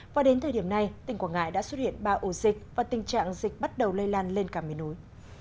và đến thời điểm này tỉnh quảng ngãi đã xuất hiện ba ổ dịch và tình trạng dịch bắt đầu lây lan lên cả miền núi